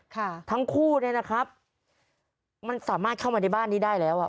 ค่ะทั้งคู่เนี้ยนะครับมันสามารถเข้ามาในบ้านนี้ได้แล้วอ่ะ